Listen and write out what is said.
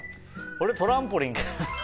俺トランポリン。